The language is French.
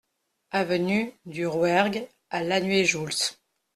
Avenue du Rouergue à Lanuéjouls